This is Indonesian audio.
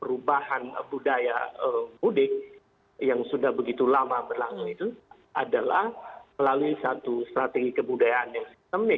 perubahan budaya mudik yang sudah begitu lama berlangsung itu adalah melalui satu strategi kebudayaan yang sistemik